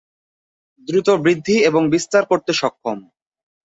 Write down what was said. দ্রুত বৃদ্ধি এবং বিস্তার করতে সক্ষম।